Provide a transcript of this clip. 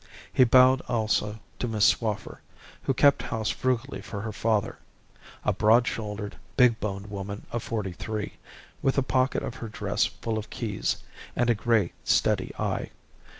He bowed also to Miss Swaffer, who kept house frugally for her father a broad shouldered, big boned woman of forty five, with the pocket of her dress full of keys, and a grey, steady eye.